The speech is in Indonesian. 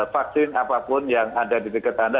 vaksin apapun yang ada di dekat anda